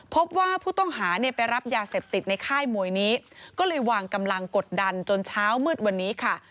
พบว่าผู้ต้องหาเนี่ยไปรับยาเสพติดในค่ายมวยนี้ก็เลยวางกำลังกดดันจนเช้ามืดวันนี้ค่ะ